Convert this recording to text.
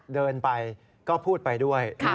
เดินไปก็พูดไปด้วย